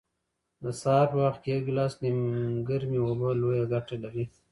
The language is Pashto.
د سهار په وخت کې یو ګیلاس نیمګرمې اوبه لویه ګټه لري.